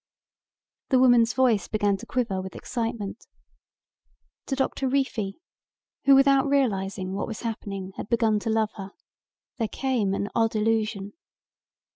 The woman's voice began to quiver with excitement. To Doctor Reefy, who without realizing what was happening had begun to love her, there came an odd illusion.